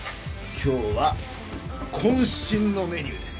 今日は渾身のメニューです。